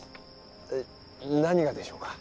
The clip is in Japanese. え何がでしょうか？